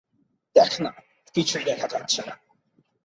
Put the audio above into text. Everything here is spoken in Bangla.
দেখনা, কিছুই দেখা যাচ্ছে না।